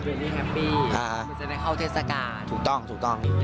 ดีแฮปปี้คือจะได้เข้าเทศกาลถูกต้องถูกต้อง